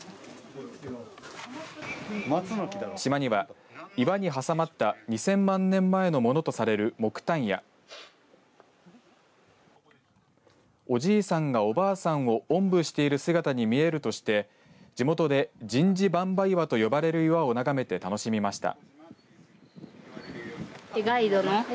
島には岩に挟まった２０００万年前のものとされる木炭やおじいさんが、おばあさんをおんぶしている姿に見えるとして地元でジンジ・バンバ岩と呼ばれる岩を眺めて楽しみました。